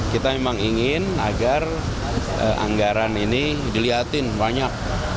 kita memang ingin agar anggaran ini dilihatin banyak